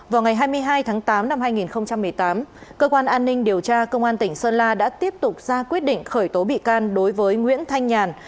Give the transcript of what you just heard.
vào ngày hai mươi hai tháng tám năm hai nghìn một mươi tám cơ quan an ninh điều tra công an tỉnh sơn la đã tiếp tục ra quyết định khởi tố bị can đối với nguyễn thanh nhàn